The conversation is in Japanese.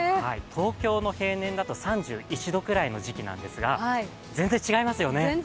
東京の平年だと３１度くらいの時期なんですが全然違いますよね。